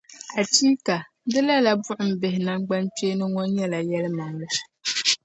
Achiika! Di lala buɣum bihi namgbanpeeni ŋɔ maa nyɛla yɛlimaŋli.